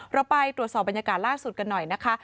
เราไปตรวจสอบบรรยากาศล่าสุดกันหน่อยนะคะ